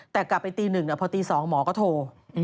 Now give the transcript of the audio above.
แต่กลับไปตี๑พอตี๒หมอก็โทร